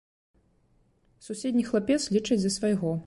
Суседні хлапец, лічаць за свайго.